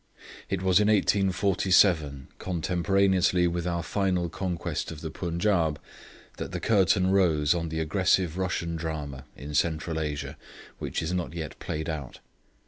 ]'It was in 1847, contemporaneously with our final conquest of the Punjaub, that the curtain rose on the aggressive Russian drama in Central Asia which is not yet played out.